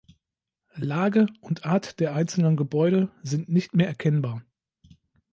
Lage und Art der einzelnen Gebäude sind nicht mehr erkennbar.